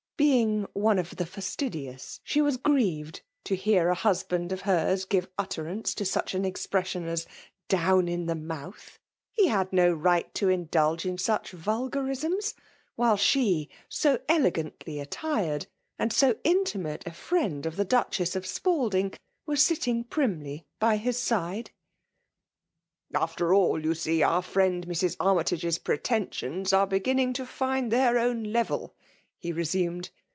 Being one of the fastidious^ she was grieved to hear a husband of hers give utterance to such an ex pression BH " down in the mouth !" He had oo right to indulge in such vulgarisms, while she> so elegantly attired, and so intimate a friend of the Duchess of Spalding, was sitting primly by his side. FKlfA.L.K DOMINATIOK. 73 « After all, you see, our friend Mrs. Army tage*s pretensions arc beginning to find tbpir own leveV l^e resumed.